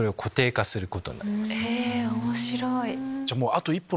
面白い。